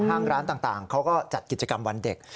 ห้างร้านต่างเขาก็จัดกิจกรรมวันเด็ก